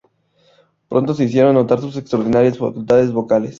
Pronto se hicieron notar sus extraordinarias facultades vocales.